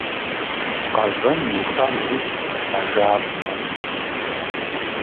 Къэвэн иуха нэужь мэжабзэ.